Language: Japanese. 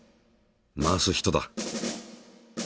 回す人だ。